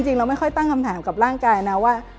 เราไม่ค่อยตั้งคำถามกับร่างกายนะว่า